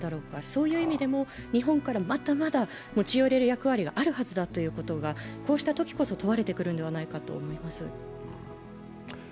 そういう意味でも日本から持ち寄れる役割があるということがこうしたときこそ問われてくるのではないかと思います。